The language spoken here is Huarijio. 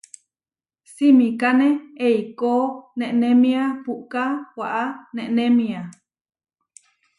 Simikáne eikó nenémia puʼká waʼá nenémia.